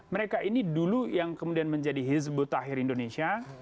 mereka ini dulu yang kemudian menjadi hizbut tahir indonesia